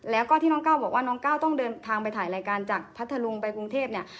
แล้วก็ที่น้องก้าวบอกว่าน้องก้าวต้องเดินทางไปถ่ายรายการจากพัทธรุงไปกรุงเทพเนี่ย